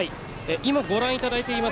今、ご覧いただいています